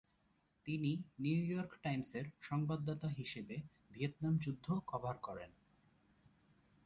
তিনি New York টাইমসের সংবাদদাতা হিসেবে ভিয়েতনাম যুদ্ধ কভার করেন।